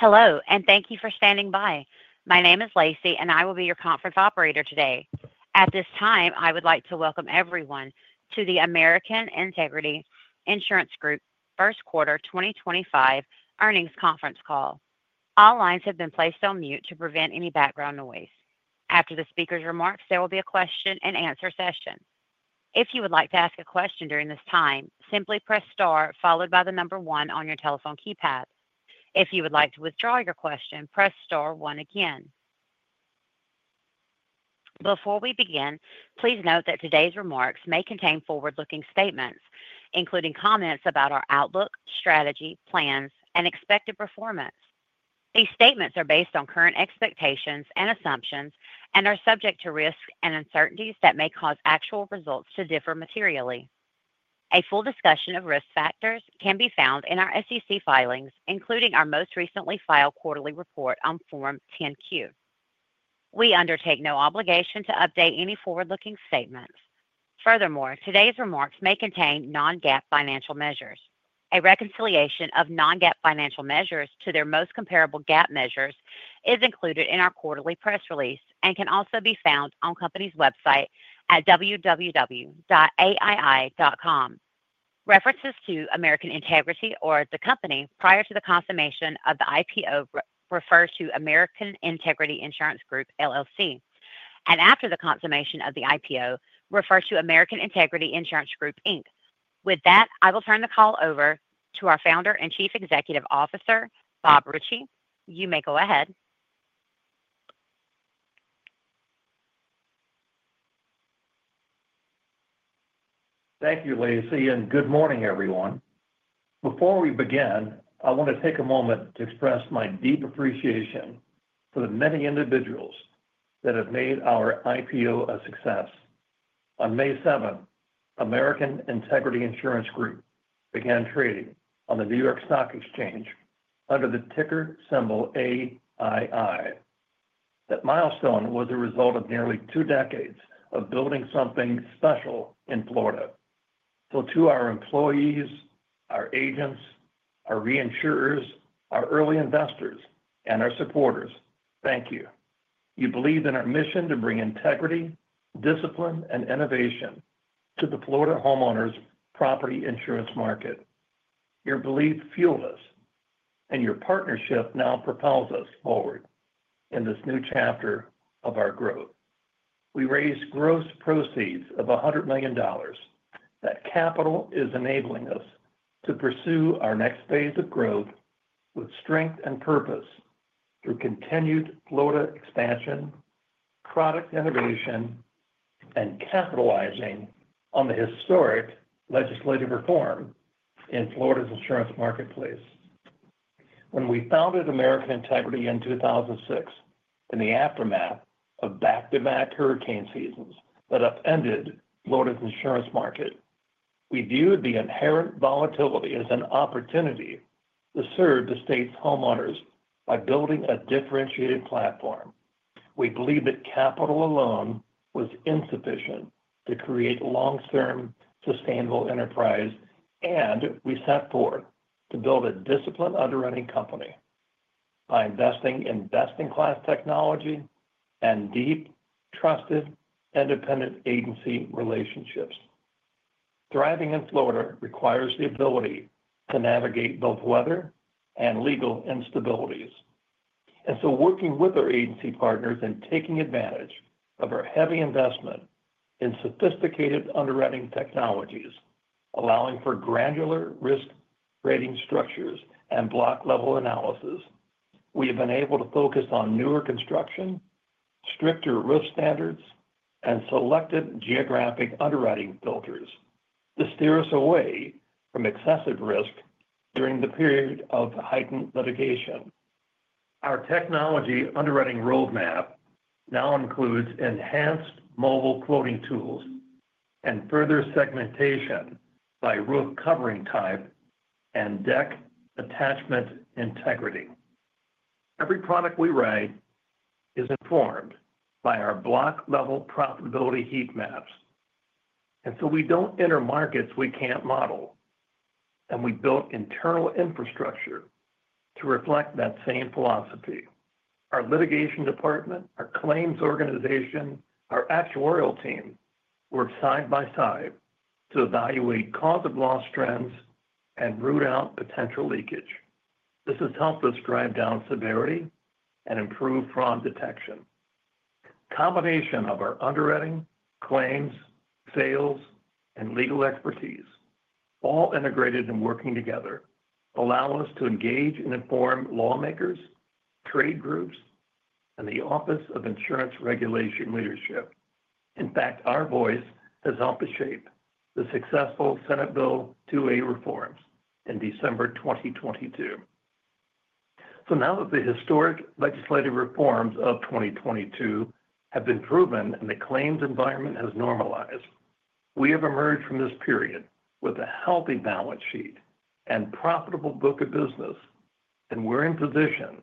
Hello, and thank you for standing by. My name is Lacey, and I will be your conference operator today. At this time, I would like to welcome everyone to the American Integrity Insurance Group First Quarter 2025 earnings conference call. All lines have been placed on mute to prevent any background noise. After the speaker's remarks, there will be a question-and-answer session. If you would like to ask a question during this time, simply press star followed by the number one on your telephone keypad. If you would like to withdraw your question, press star one again. Before we begin, please note that today's remarks may contain forward-looking statements, including comments about our outlook, strategy, plans, and expected performance. These statements are based on current expectations and assumptions and are subject to risks and uncertainties that may cause actual results to differ materially. A full discussion of risk factors can be found in our SEC filings, including our most recently filed quarterly report on Form 10-Q. We undertake no obligation to update any forward-looking statements. Furthermore, today's remarks may contain non-GAAP financial measures. A reconciliation of non-GAAP financial measures to their most comparable GAAP measures is included in our quarterly press release and can also be found on the company's website at www.aii.com. References to American Integrity, or the company, prior to the consummation of the IPO refer to American Integrity Insurance Group, and after the consummation of the IPO refer to American Integrity Insurance Group. With that, I will turn the call over to our Founder and Chief Executive Officer, Bob Ritchie. You may go ahead. Thank you, Lacey, and good morning, everyone. Before we begin, I want to take a moment to express my deep appreciation for the many individuals that have made our IPO a success. On May seven, American Integrity Insurance Group began trading on the New York Stock Exchange under the ticker symbol AII. That milestone was a result of nearly two decades of building something special in Florida. To our employees, our agents, our reinsurers, our early investors, and our supporters, thank you. You believe in our mission to bring integrity, discipline, and innovation to the Florida homeowners' property insurance market. Your belief fueled us, and your partnership now propels us forward in this new chapter of our growth. We raised gross proceeds of $100 million. That capital is enabling us to pursue our next phase of growth with strength and purpose through continued Florida expansion, product innovation, and capitalizing on the historic legislative reform in Florida's insurance marketplace. When we founded American Integrity in 2006, in the aftermath of back-to-back hurricane seasons that upended Florida's insurance market, we viewed the inherent volatility as an opportunity to serve the state's homeowners by building a differentiated platform. We believed that capital alone was insufficient to create long-term sustainable enterprise, and we set forth to build a disciplined underwriting company by investing in best-in-class technology and deep, trusted, independent agency relationships. Thriving in Florida requires the ability to navigate both weather and legal instabilities. Working with our agency partners and taking advantage of our heavy investment in sophisticated underwriting technologies, allowing for granular risk rating structures and block-level analysis, we have been able to focus on newer construction, stricter risk standards, and selected geographic underwriting filters to steer us away from excessive risk during the period of heightened litigation. Our technology underwriting roadmap now includes enhanced mobile quoting tools and further segmentation by roof covering type and deck attachment integrity. Every product we write is informed by our block-level profitability heat maps. We do not enter markets we cannot model, and we built internal infrastructure to reflect that same philosophy. Our litigation department, our claims organization, our actuarial team work side by side to evaluate cause-of-loss trends and root out potential leakage. This has helped us drive down severity and improve fraud detection. The combination of our underwriting, claims, sales, and legal expertise, all integrated and working together, allows us to engage and inform lawmakers, trade groups, and the Office of Insurance Regulation leadership. In fact, our voice has helped to shape the successful Senate Bill 2A reforms in December 2022. Now that the historic legislative reforms of 2022 have been proven and the claims environment has normalized, we have emerged from this period with a healthy balance sheet and profitable book of business, and we're in position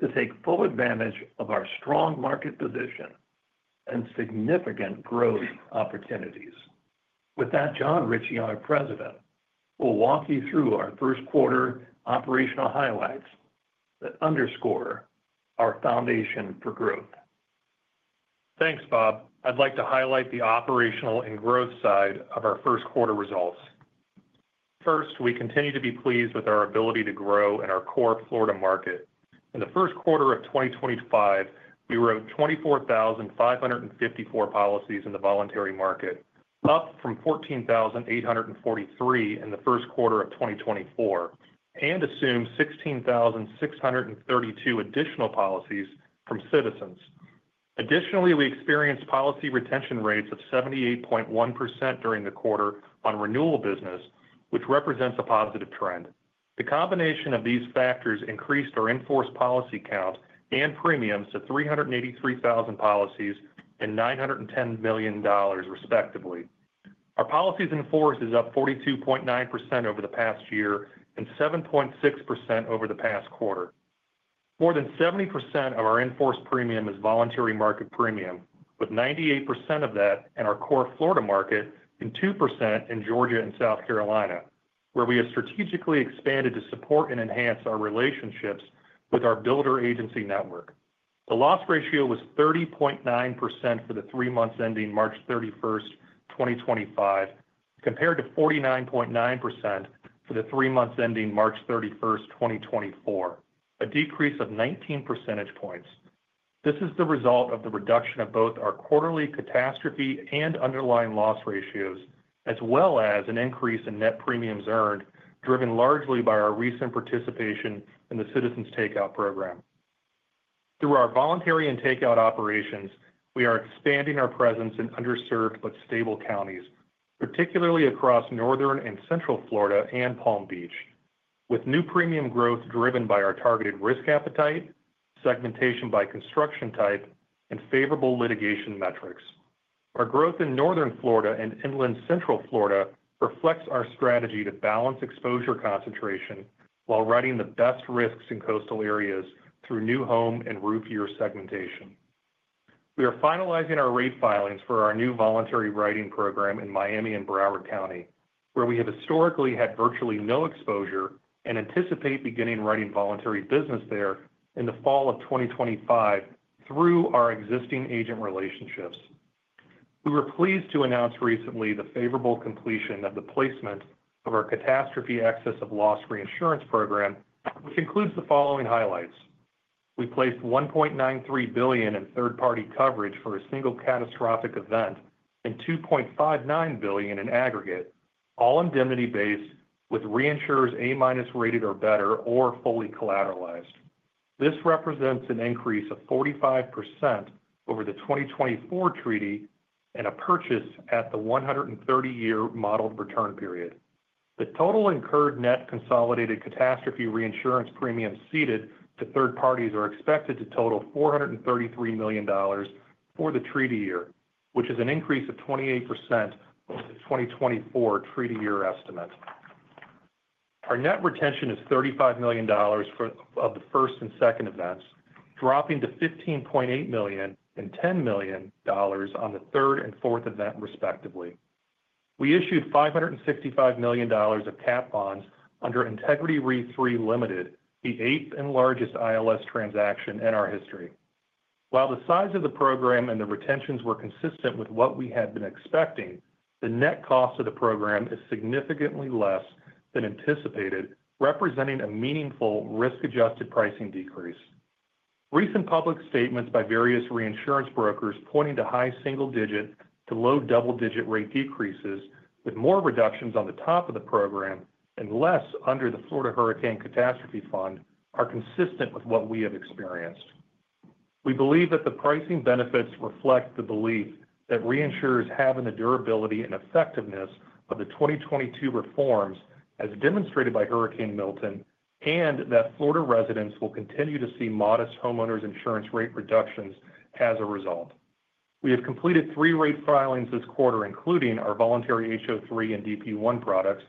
to take full advantage of our strong market position and significant growth opportunities. With that, Jon Ritchie, our President, will walk you through our first quarter operational highlights that underscore our foundation for growth. Thanks, Robert. I'd like to highlight the operational and growth side of our first quarter results. First, we continue to be pleased with our ability to grow in our core Florida market. In the first quarter of 2025, we wrote 24,554 policies in the voluntary market, up from 14,843 in the first quarter of 2024, and assumed 16,632 additional policies from Citizens. Additionally, we experienced policy retention rates of 78.1% during the quarter on renewal business, which represents a positive trend. The combination of these factors increased our in-force policy count and premiums to 383,000 policies and $910 million, respectively. Our policies in force is up 42.9% over the past year and 7.6% over the past quarter. More than 70% of our enforced premium is voluntary market premium, with 98% of that in our core Florida market and 2% in Georgia and South Carolina, where we have strategically expanded to support and enhance our relationships with our builder agency network. The loss ratio was 30.9% for the three months ending March 31st, 2025, compared to 49.9% for the three months ending March 31st, 2024, a decrease of 19 percentage points. This is the result of the reduction of both our quarterly catastrophe and underlying loss ratios, as well as an increase in net premiums earned, driven largely by our recent participation in the Citizens Takeout program. Through our voluntary and takeout operations, we are expanding our presence in underserved but stable counties, particularly across northern and central Florida and Palm Beach, with new premium growth driven by our targeted risk appetite, segmentation by construction type, and favorable litigation metrics. Our growth in northern Florida and inland central Florida reflects our strategy to balance exposure concentration while riding the best risks in coastal areas through new home and roof year segmentation. We are finalizing our rate filings for our new voluntary writing program in Miami and Broward County, where we have historically had virtually no exposure and anticipate beginning writing voluntary business there in the fall of 2025 through our existing agent relationships. We were pleased to announce recently the favorable completion of the placement of our catastrophe excess of loss reinsurance program, which includes the following highlights. We placed $1.93 billion in third-party coverage for a single catastrophic event and $2.59 billion in aggregate, all indemnity-based, with reinsurers A-rated or better or fully collateralized. This represents an increase of 45% over the 2024 treaty and a purchase at the 130-year modeled return period. The total incurred net consolidated catastrophe reinsurance premiums seeded to third parties are expected to total $433 million for the treaty year, which is an increase of 28% of the 2024 treaty year estimate. Our net retention is $35 million for the first and second events, dropping to $15.8 million and $10 million on the third and fourth event, respectively. We issued $565 million of cap bonds under Integrity RE3 Limited, the eighth and largest ILS transaction in our history. While the size of the program and the retentions were consistent with what we had been expecting, the net cost of the program is significantly less than anticipated, representing a meaningful risk-adjusted pricing decrease. Recent public statements by various reinsurance brokers pointing to high single-digit to low double-digit rate decreases, with more reductions on the top of the program and less under the Florida Hurricane Catastrophe Fund, are consistent with what we have experienced. We believe that the pricing benefits reflect the belief that reinsurers have in the durability and effectiveness of the 2022 reforms, as demonstrated by Hurricane Milton, and that Florida residents will continue to see modest homeowners' insurance rate reductions as a result. We have completed three rate filings this quarter, including our voluntary HO3 and DP1 products,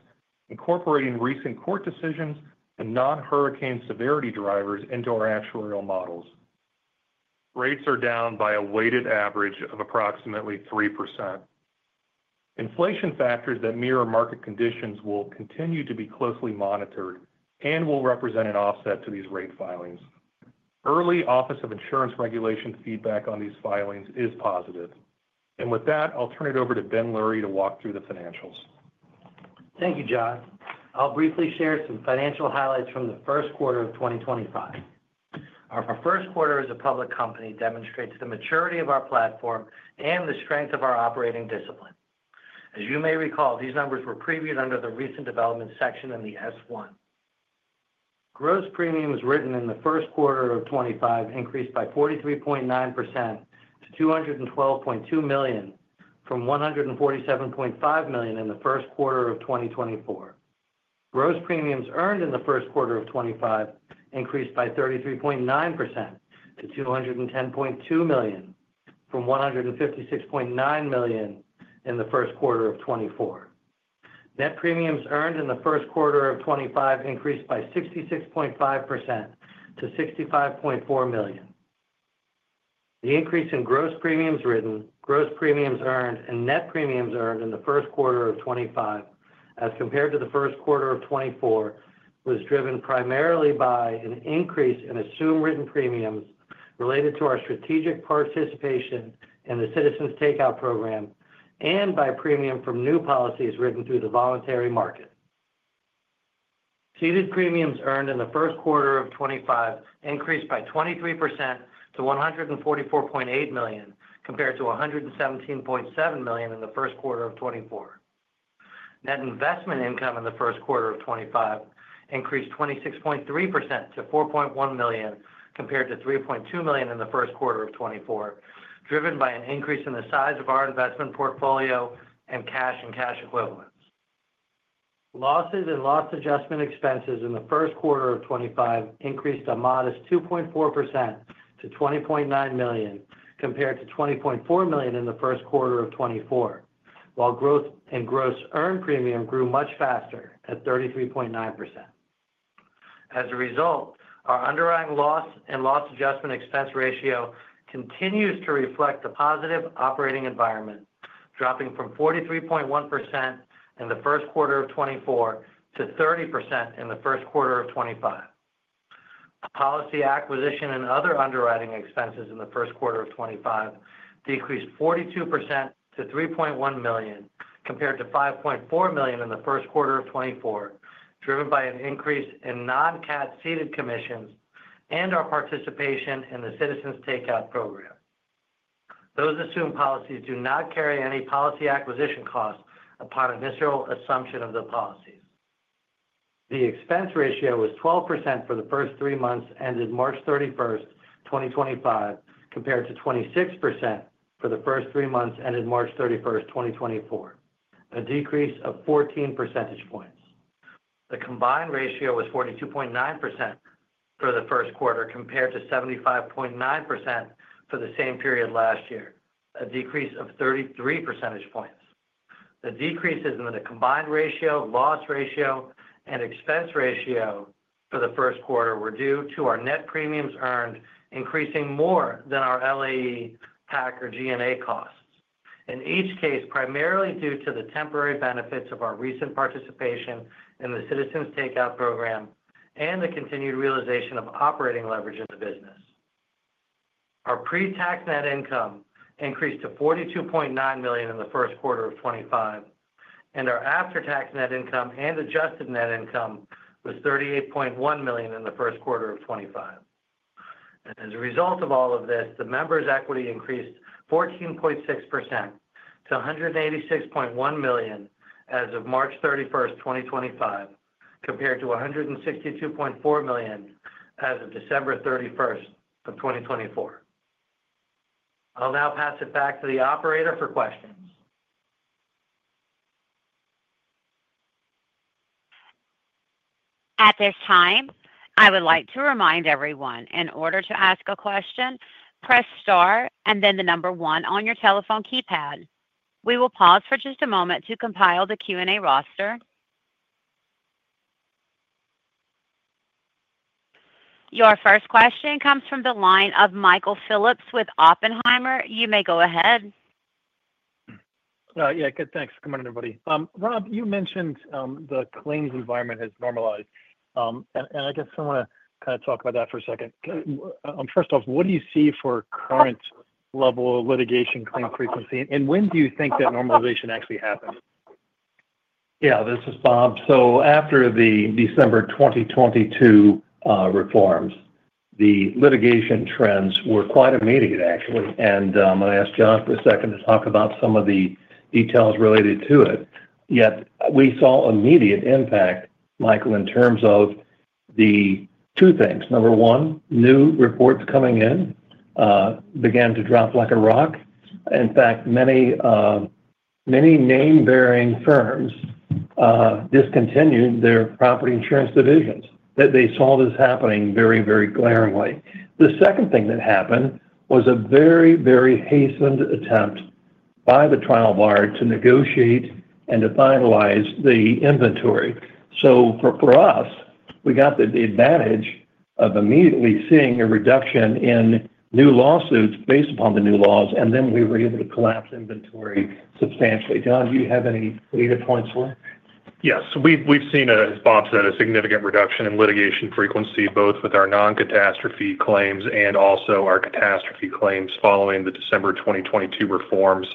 incorporating recent court decisions and non-hurricane severity drivers into our actuarial models. Rates are down by a weighted average of approximately 3%. Inflation factors that mirror market conditions will continue to be closely monitored and will represent an offset to these rate filings. Early Office of Insurance Regulation feedback on these filings is positive. With that, I'll turn it over to Benjamin Lurie to walk through the financials. Thank you, Jon. I'll briefly share some financial highlights from the first quarter of 2025. Our first quarter as a public company demonstrates the maturity of our platform and the strength of our operating discipline. As you may recall, these numbers were previewed under the recent development section in the S-1. Gross premiums written in the first quarter of 2025 increased by 43.9% to $212.2 million from $147.5 million in the first quarter of 2024. Gross premiums earned in the first quarter of 2025 increased by 33.9% to $210.2 million from $156.9 million in the first quarter of 2024. Net premiums earned in the first quarter of 2025 increased by 66.5% to $65.4 million. The increase in gross premiums written, gross premiums earned, and net premiums earned in the first quarter of 2025, as compared to the first quarter of 2024, was driven primarily by an increase in assumed written premiums related to our strategic participation in the Citizens Takeout program and by premium from new policies written through the voluntary market. Ceded premiums earned in the first quarter of 2025 increased by 23% to $144.8 million compared to $117.7 million in the first quarter of 2024. Net investment income in the first quarter of 2025 increased 26.3% to $4.1 million compared to $3.2 million in the first quarter of 2024, driven by an increase in the size of our investment portfolio and cash and cash equivalents. Losses and loss adjustment expenses in the first quarter of 2025 increased a modest 2.4% to $20.9 million compared to $20.4 million in the first quarter of 2024, while growth in gross earned premium grew much faster at 33.9%. As a result, our underlying loss and loss adjustment expense ratio continues to reflect the positive operating environment, dropping from 43.1% in the first quarter of 2024 to 30% in the first quarter of 2025. Policy acquisition and other underwriting expenses in the first quarter of 2025 decreased 42% to $3.1 million compared to $5.4 million in the first quarter of 2024, driven by an increase in non-cat seeded commissions and our participation in the Citizens Takeout program. Those assumed policies do not carry any policy acquisition costs upon initial assumption of the policies. The expense ratio was 12% for the first three months ended March 31st, 2025, compared to 26% for the first three months ended March 31st, 2024, a decrease of 14 percentage points. The combined ratio was 42.9% for the first quarter compared to 75.9% for the same period last year, a decrease of 33 percentage points. The decreases in the combined ratio, loss ratio, and expense ratio for the first quarter were due to our net premiums earned increasing more than our LAE, PAC, or G&A costs, in each case primarily due to the temporary benefits of our recent participation in the Citizens Takeout program and the continued realization of operating leverage in the business. Our pre-tax net income increased to $42.9 million in the first quarter of 2025, and our after-tax net income and adjusted net income was $38.1 million in the first quarter of 2025. As a result of all of this, the members' equity increased 14.6% to $186.1 million as of March 31st, 2025, compared to $162.4 million as of December 31st, 2024. I'll now pass it back to the operator for questions. At this time, I would like to remind everyone, in order to ask a question, press star and then the number one on your telephone keypad. We will pause for just a moment to compile the Q&A roster. Your first question comes from the line of Michael Phillips with Oppenheimer. You may go ahead. Yeah, good. Thanks. Good morning, everybody. Robert, you mentioned the claims environment has normalized. I guess I want to kind of talk about that for a second. First off, what do you see for current level of litigation claim frequency, and when do you think that normalization actually happened? Yeah, this is Robert. After the December 2022 reforms, the litigation trends were quite immediate, actually. I am going to ask Jon for a second to talk about some of the details related to it. Yet we saw immediate impact, Michael, in terms of the two things. Number one, new reports coming in began to drop like a rock. In fact, many name-bearing firms discontinued their property insurance divisions. They saw this happening very, very glaringly. The second thing that happened was a very, very hastened attempt by the trial bar to negotiate and to finalize the inventory. For us, we got the advantage of immediately seeing a reduction in new lawsuits based upon the new laws, and then we were able to collapse inventory substantially. Jon, do you have any data points for it? Yes. We've seen, as Robert said, a significant reduction in litigation frequency, both with our non-catastrophe claims and also our catastrophe claims following the December 2022 reforms.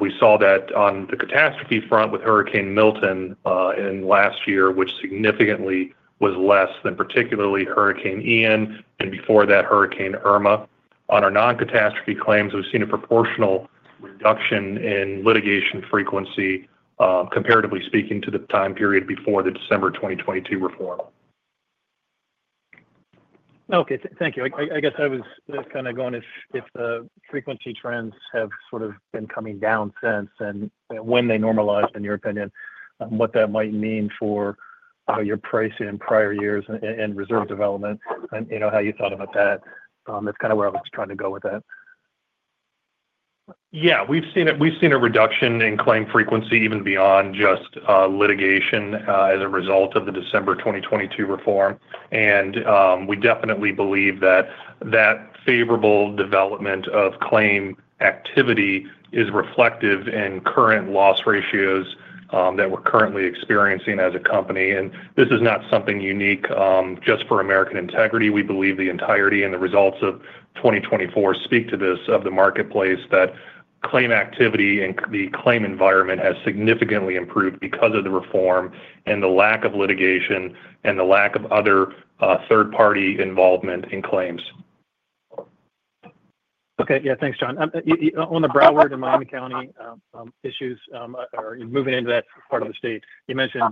We saw that on the catastrophe front with Hurricane Milton last year, which significantly was less than particularly Hurricane Ian and before that Hurricane Irma. On our non-catastrophe claims, we've seen a proportional reduction in litigation frequency, comparatively speaking, to the time period before the December 2022 reform. Okay. Thank you. I guess I was kind of going if frequency trends have sort of been coming down since and when they normalized, in your opinion, what that might mean for your pricing in prior years and reserve development and how you thought about that. That's kind of where I was trying to go with that. Yeah. We've seen a reduction in claim frequency even beyond just litigation as a result of the December 2022 reform. We definitely believe that that favorable development of claim activity is reflective in current loss ratios that we're currently experiencing as a company. This is not something unique just for American Integrity. We believe the entirety and the results of 2024 speak to this of the marketplace that claim activity and the claim environment has significantly improved because of the reform and the lack of litigation and the lack of other third-party involvement in claims. Okay. Yeah. Thanks, Jon. On the Broward and Miami-Dade County issues, or moving into that part of the state, you mentioned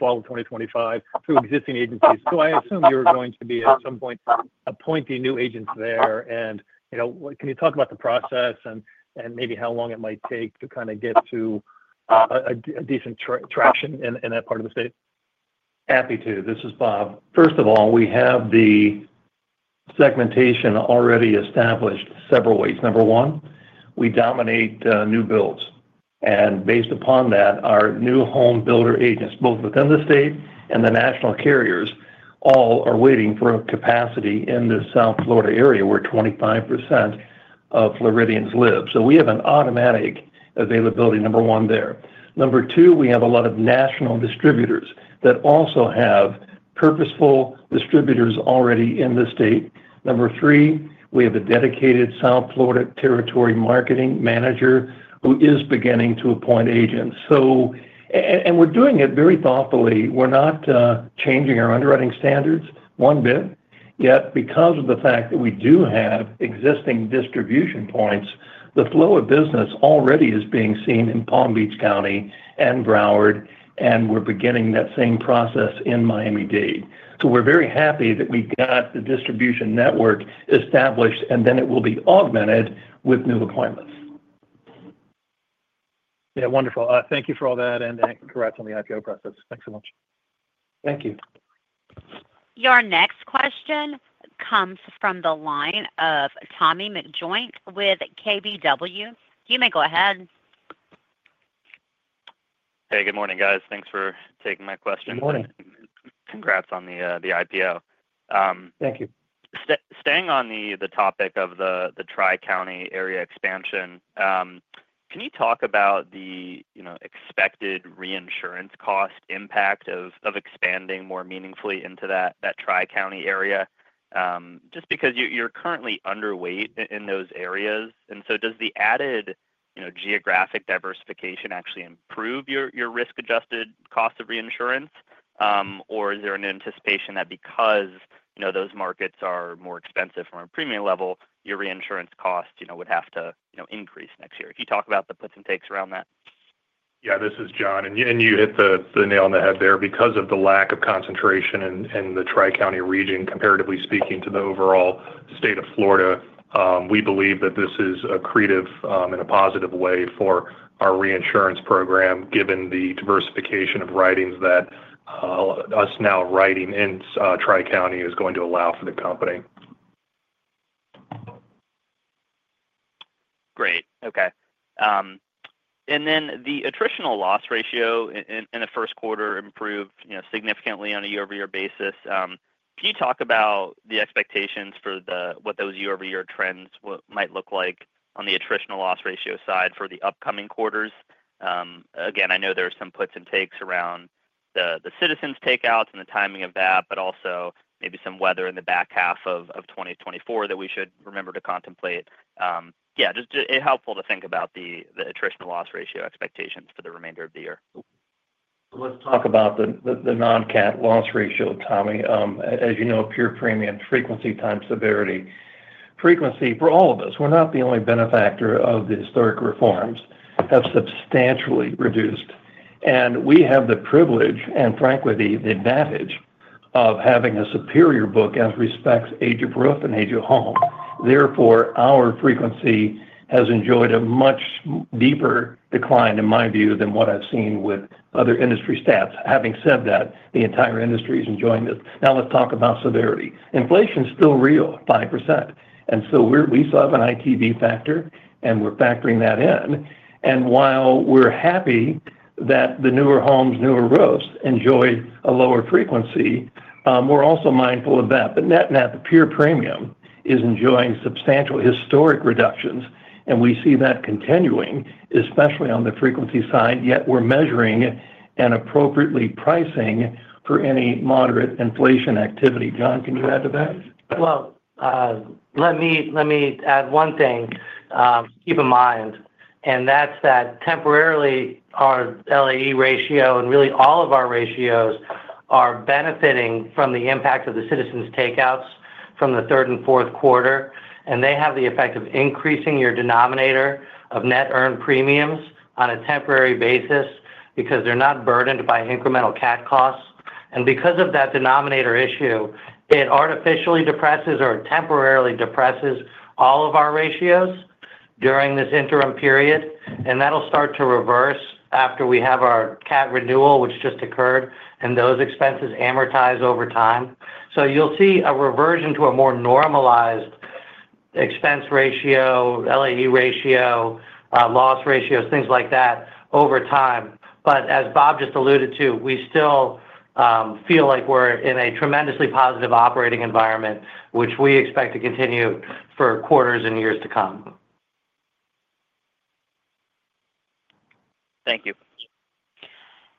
fall of 2025 through existing agencies. I assume you're going to be at some point appointing new agents there. Can you talk about the process and maybe how long it might take to kind of get to a decent traction in that part of the state? Happy to. This is Robert. First of all, we have the segmentation already established several ways. Number one, we dominate new builds. And based upon that, our new home builder agents, both within the state and the national carriers, all are waiting for a capacity in the South Florida area where 25% of Floridians live. So we have an automatic availability, number one, there. Number two, we have a lot of national distributors that also have purposeful distributors already in the state. Number three, we have a dedicated South Florida territory marketing manager who is beginning to appoint agents. And we're doing it very thoughtfully. We're not changing our underwriting standards one bit. Yet because of the fact that we do have existing distribution points, the flow of business already is being seen in Palm Beach County and Broward, and we're beginning that same process in Miami-Dade. We're very happy that we got the distribution network established, and then it will be augmented with new appointments. Yeah. Wonderful. Thank you for all that and congrats on the IPO process. Thanks so much. Thank you. Your next question comes from the line of Tommy McJoynt with KBW. You may go ahead. Hey, good morning, guys. Thanks for taking my question. Good morning. Congrats on the IPO. Thank you. Staying on the topic of the Tri-County area expansion, can you talk about the expected reinsurance cost impact of expanding more meaningfully into that Tri-County area? Just because you're currently underweight in those areas. Does the added geographic diversification actually improve your risk-adjusted cost of reinsurance? Is there an anticipation that because those markets are more expensive from a premium level, your reinsurance costs would have to increase next year? Can you talk about the puts and takes around that? Yeah. This is Jon. You hit the nail on the head there. Because of the lack of concentration in the Tri-County region, comparatively speaking to the overall state of Florida, we believe that this is a creative and a positive way for our reinsurance program, given the diversification of writings that us now writing in Tri-County is going to allow for the company. Great. Okay. The attritional loss ratio in the first quarter improved significantly on a year-over-year basis. Can you talk about the expectations for what those year-over-year trends might look like on the attritional loss ratio side for the upcoming quarters? I know there are some puts and takes around the Citizens Takeouts and the timing of that, but also maybe some weather in the back half of 2024 that we should remember to contemplate. Yeah. Just helpful to think about the attritional loss ratio expectations for the remainder of the year. Let's talk about the non-cat loss ratio, Tommy. As you know, pure premium frequency times severity. Frequency for all of us. We're not the only benefactor of the historic reforms that have substantially reduced. We have the privilege and, frankly, the advantage of having a superior book as respects age of birth and age of home. Therefore, our frequency has enjoyed a much deeper decline, in my view, than what I've seen with other industry stats. Having said that, the entire industry is enjoying this. Now let's talk about severity. Inflation is still real, 5%. We still have an ITV factor, and we're factoring that in. While we're happy that the newer homes, newer roads enjoy a lower frequency, we're also mindful of that. Net-net, the pure premium is enjoying substantial historic reductions. We see that continuing, especially on the frequency side. Yet we're measuring and appropriately pricing for any moderate inflation activity. Jon, can you add to that? Let me add one thing to keep in mind. That is that temporarily our LAE ratio and really all of our ratios are benefiting from the impact of the Citizens Takeouts from the third and fourth quarter. They have the effect of increasing your denominator of net earned premiums on a temporary basis because they are not burdened by incremental cat costs. Because of that denominator issue, it artificially depresses or temporarily depresses all of our ratios during this interim period. That will start to reverse after we have our cat renewal, which just occurred, and those expenses amortize over time. You will see a reversion to a more normalized expense ratio, LAE ratio, loss ratios, things like that over time. As Bob just alluded to, we still feel like we're in a tremendously positive operating environment, which we expect to continue for quarters and years to come. Thank you.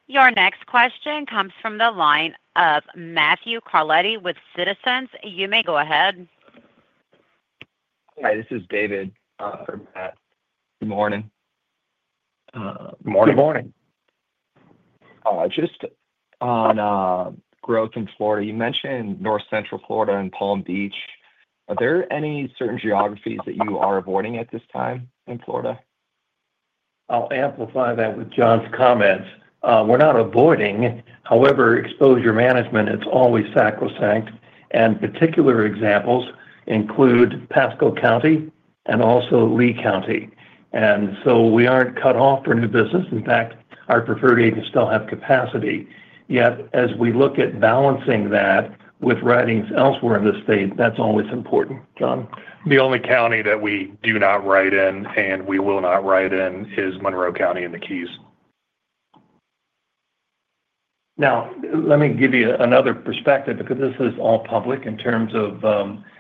Your next question comes from the line of Matthew Carletti with Citizens. You may go ahead. Hi. This is David from PAT. Good morning. Good morning. Good morning. Just on growth in Florida, you mentioned North Central Florida and Palm Beach. Are there any certain geographies that you are avoiding at this time in Florida? I'll amplify that with Jon's comments. We're not avoiding. However, exposure management, it's always sacrosanct. Particular examples include Pasco County and also Lee County. We aren't cut off for new business. In fact, our preferred agents still have capacity. Yet as we look at balancing that with writings elsewhere in the state, that's always important. The only county that we do not write in and we will not write in is Monroe County and the Keys. Now, let me give you another perspective because this is all public in terms of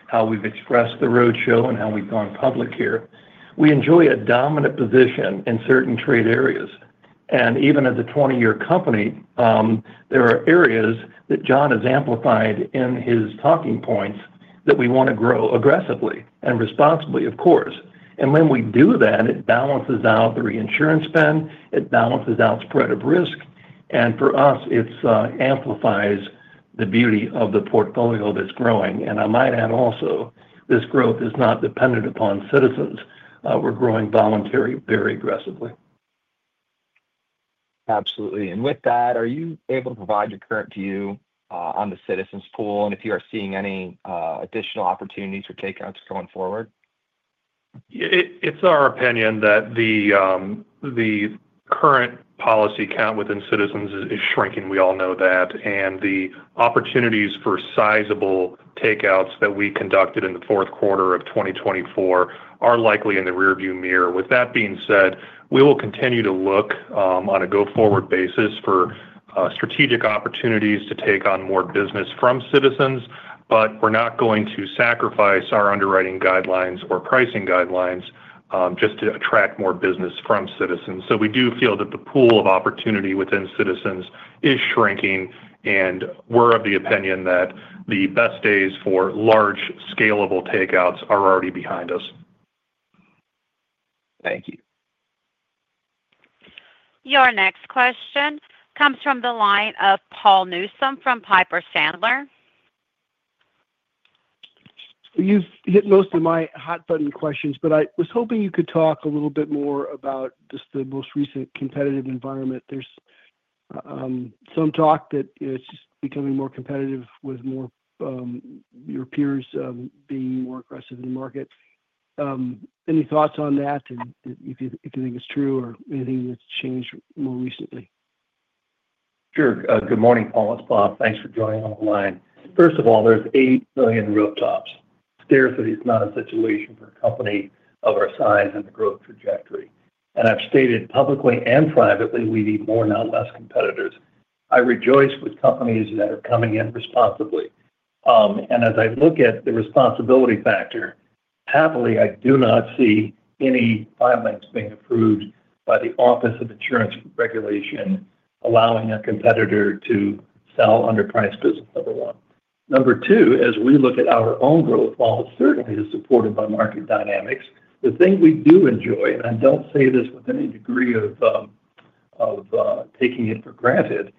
how we've expressed the roadshow and how we've gone public here. We enjoy a dominant position in certain trade areas. Even as a 20-year company, there are areas that Jon has amplified in his talking points that we want to grow aggressively and responsibly, of course. When we do that, it balances out the reinsurance spend. It balances out spread of risk. For us, it amplifies the beauty of the portfolio that's growing. I might add also this growth is not dependent upon Citizens. We're growing voluntary very aggressively. Absolutely. With that, are you able to provide your current view on the Citizens pool and if you are seeing any additional opportunities for takeouts going forward? It's our opinion that the current policy count within Citizens is shrinking. We all know that. The opportunities for sizable takeouts that we conducted in the fourth quarter of 2024 are likely in the rearview mirror. With that being said, we will continue to look on a go-forward basis for strategic opportunities to take on more business from Citizens. We're not going to sacrifice our underwriting guidelines or pricing guidelines just to attract more business from Citizens. We do feel that the pool of opportunity within Citizens is shrinking. We're of the opinion that the best days for large scalable takeouts are already behind us. Thank you. Your next question comes from the line of Paul Newsom from Piper Sandler. You've hit most of my hot-button questions, but I was hoping you could talk a little bit more about just the most recent competitive environment. There's some talk that it's just becoming more competitive with your peers being more aggressive in the market. Any thoughts on that if you think it's true or anything that's changed more recently? Sure. Good morning, Paul. It's Robert. Thanks for joining on the line. First of all, there's 8 million rooftops. Seriously, it's not a situation for a company of our size and the growth trajectory. I have stated publicly and privately we need more, not less, competitors. I rejoice with companies that are coming in responsibly. As I look at the responsibility factor, happily, I do not see any finance being approved by the Office of Insurance Regulation allowing a competitor to sell underpriced business, number one. Number two, as we look at our own growth, while it certainly is supported by market dynamics, the thing we do enjoy, and I do not say this with any degree of taking it for granted,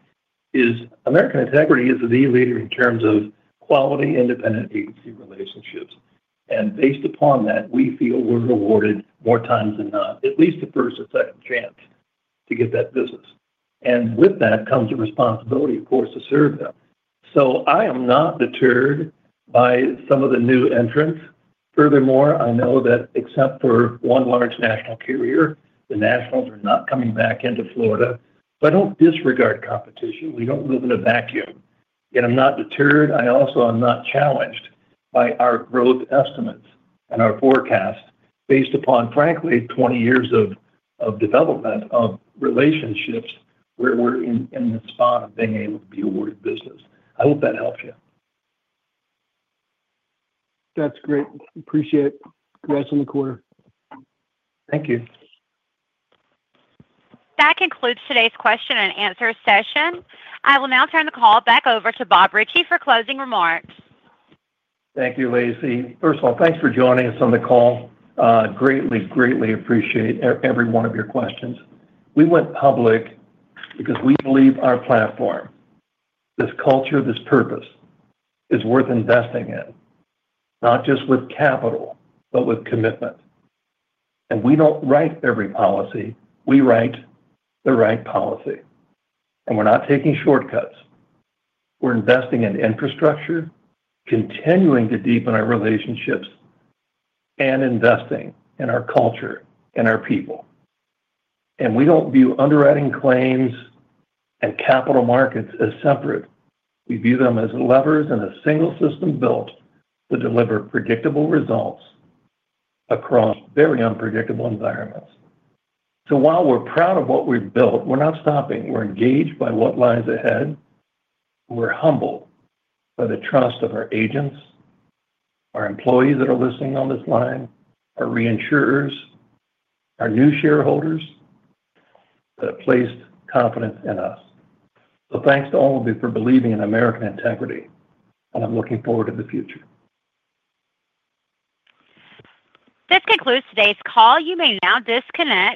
is American Integrity is the leader in terms of quality independent agency relationships. Based upon that, we feel we're rewarded more times than not, at least a first or second chance to get that business. With that comes a responsibility, of course, to serve them. I am not deterred by some of the new entrants. Furthermore, I know that except for one large national carrier, the nationals are not coming back into Florida. I do not disregard competition. We do not live in a vacuum. I am not deterred. I also am not challenged by our growth estimates and our forecast based upon, frankly, 20 years of development of relationships where we're in the spot of being able to be awarded business. I hope that helps you. That's great. Appreciate it. Congrats on the quarter. Thank you. That concludes today's question and answer session. I will now turn the call back over to Robert Ritchie for closing remarks. Thank you, Lacey. First of all, thanks for joining us on the call. Greatly, greatly appreciate every one of your questions. We went public because we believe our platform, this culture, this purpose is worth investing in, not just with capital, but with commitment. We do not write every policy. We write the right policy. We are not taking shortcuts. We are investing in infrastructure, continuing to deepen our relationships, and investing in our culture and our people. We do not view underwriting claims and capital markets as separate. We view them as levers and a single system built to deliver predictable results across very unpredictable environments. While we are proud of what we have built, we are not stopping. We are engaged by what lies ahead. We are humbled by the trust of our agents, our employees that are listening on this line, our reinsurers, our new shareholders that placed confidence in us. Thanks to all of you for believing in American Integrity. I'm looking forward to the future. This concludes today's call. You may now disconnect.